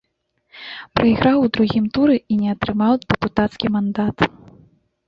Прайграў у другім туры і не атрымаў дэпутацкі мандат.